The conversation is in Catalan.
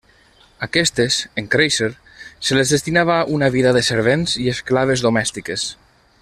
Aquestes, en créixer, se les destinava una vida de servents i esclaves domèstiques.